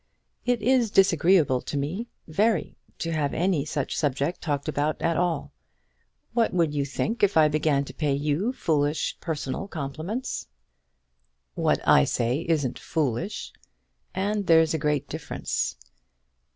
"It is disagreeable to me very, to have any such subject talked about at all. What would you think if I began to pay you foolish personal compliments?" "What I say isn't foolish; and there's a great difference.